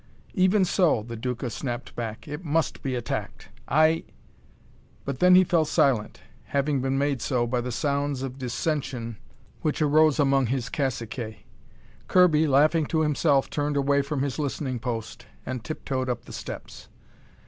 "Even so," the Duca snapped back, "it must be attacked! I " But then he fell silent, having been made so by the sounds of dissension which arose amongst his caciques. Kirby, laughing to himself, turned away from his listening post, and tip toed up the steps.